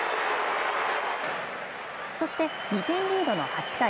そして２点リードの８回。